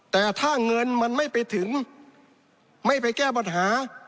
แต่ถ้าเงินมันไม่ไปถึงไม่ไปแก้ปัญหา